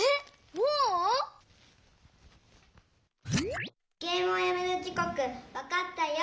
もう⁉「ゲームをやめる時こくわかったよ！